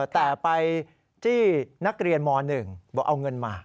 แต่ไปจี้นักเรียนม๑บอกเอาเงินมา